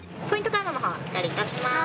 カードのほうお預かりいたします。